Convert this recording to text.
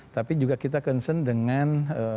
tapi juga kita concern dengan